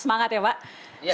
semangat ada mbak hafifah terus